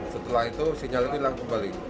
setelah itu sinyal itu hilang kembali